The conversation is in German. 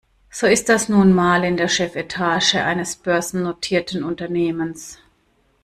So ist das nun mal in der Chefetage eines börsennotierten Unternehmens.